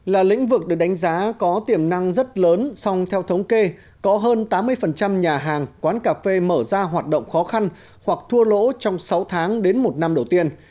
là lĩnh vực được đánh giá có tiềm năng rất lớn song theo thống kê có hơn tám mươi nhà hàng quán cà phê mở ra hoạt động khó khăn hoặc thua lỗ trong sáu tháng đến một năm đầu tiên